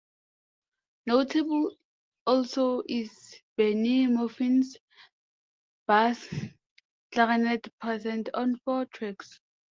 Notable also is Bennie Maupin's bass clarinet present on four tracks.